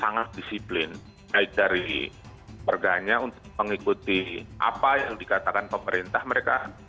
ya kalau masalah disiplin australia sangat disiplin dari perganya untuk mengikuti apa yang dikatakan pemerintah mereka mengikuti semuanya